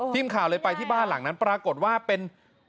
ทีมข่าวเลยไปที่บ้านหลังนั้นปรากฏว่าเป็น